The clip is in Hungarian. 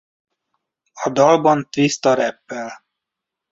A dalban Twista rappel.